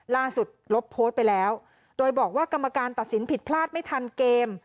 ลบโพสต์ไปแล้วโดยบอกว่ากรรมการตัดสินผิดพลาดไม่ทันเกม